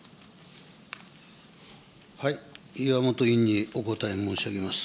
岩本委員にお答え申し上げます。